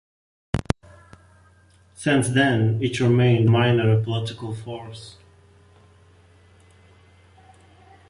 Since then, it remained a minor political force.